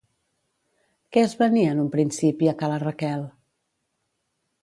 Què es venia en un principi Ca la Raquel?